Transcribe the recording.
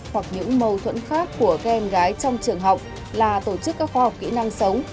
hoặc những mâu thuẫn khác của các em gái trong trường học là tổ chức các khoa học kỹ năng sống